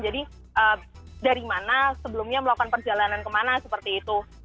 jadi dari mana sebelumnya melakukan perjalanan kemana seperti itu